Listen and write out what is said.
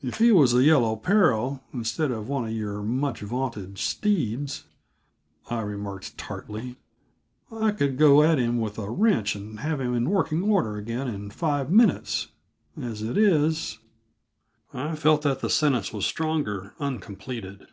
"If he was the Yellow Peril, instead of one of your much vaunted steeds," I remarked tartly, "I could go at him with a wrench and have him in working order again in five minutes; as it is " I felt that the sentence was stronger uncompleted.